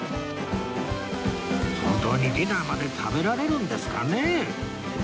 本当にディナーまで食べられるんですかね？